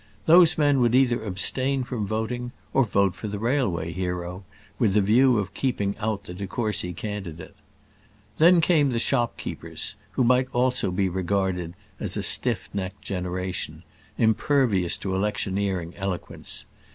Those men would either abstain from voting, or vote for the railway hero, with the view of keeping out the de Courcy candidate. Then came the shopkeepers, who might also be regarded as a stiff necked generation, impervious to electioneering eloquence.